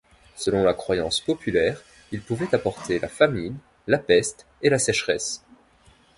Selon la croyance populaire, ils pouvaient apporter la famine, la peste et la sécheresse.